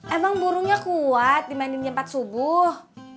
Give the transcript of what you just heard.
emang burungnya kuat dibanding jam empat subuh